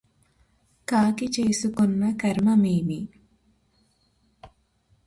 కాకి చేసుకొన్న కర్మమేమి